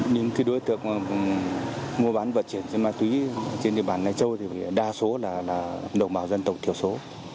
những đối tượng mua bán vận chuyển ma túy trên địa bàn lai châu đa số là độc bảo dân tộc thiểu số